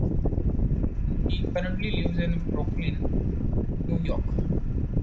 He currently lives in Brooklyn, New York.